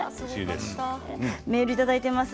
メールをいただいてます。